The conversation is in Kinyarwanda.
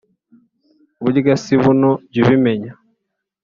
Burya si buno jyu ubimenya